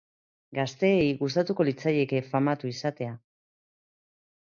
Gazteei gustatuko litzaieke famatu izatea?